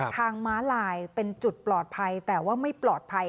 ม้าลายเป็นจุดปลอดภัยแต่ว่าไม่ปลอดภัย